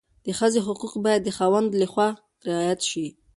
د ښځې حقوق باید د خاوند لخوا رعایت شي.